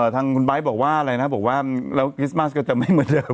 ทางคุณไบท์บอกว่าอะไรนะบอกว่าแล้วคริสต์มัสก็จะไม่เหมือนเดิม